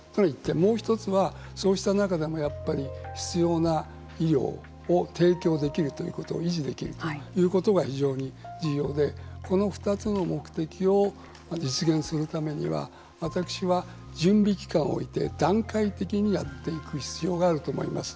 もう一つはそうした中でも、やっぱり必要な医療を提供できるということが維持できるということが非常に重要でこの２つの目的を実現するためには私は準備期間を置いて段階的にやっていく必要があると思います。